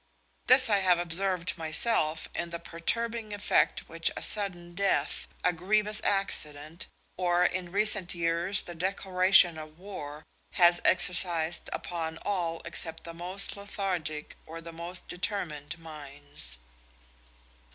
This I have observed myself in the perturbing effect which a sudden death, a grievous accident, or in recent years the declaration of war, has exercised upon all except the most lethargic or the most determined minds.